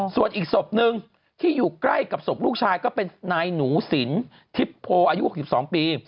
ส่วนอีกศพนึงที่อยู่ใกล้กับศพลูกชายก็เป็นนายหนูสินทิพโพอายุ๖๒ปี